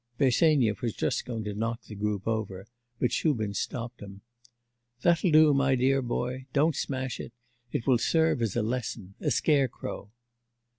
Bersenyev was just going to knock the group over but Shubin stopped him. 'That'll do, my dear boy, don't smash it; it will serve as a lesson, a scare crow.